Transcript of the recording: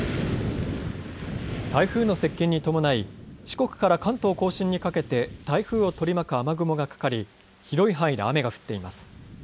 台風の接近に伴い四国から関東甲信にかけて台風を取り巻く雨雲がかかり広い範囲で雨が降っています。